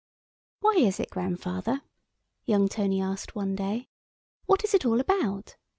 "Why is it, Grandfather?" young Tony asked one day, "what is it all about?